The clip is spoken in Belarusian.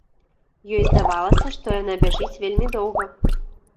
Ёй здавалася, што яна бяжыць вельмі доўга.